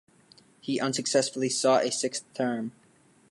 He unsuccessfully sought a sixth term.